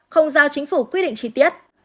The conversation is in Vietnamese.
không giao chính phủ quy định chi tiết